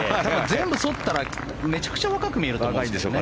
全部、そったらめちゃくちゃ若く見えると思います。